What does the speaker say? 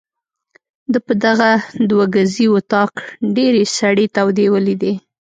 ده په دغه دوه ګزي وطاق ډېرې سړې تودې ولیدې.